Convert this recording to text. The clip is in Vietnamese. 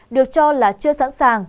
được cho là chưa sẵn sàng